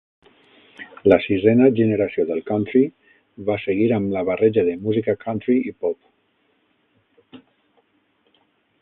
La sisena generació del country va seguir amb la barreja de música country i pop.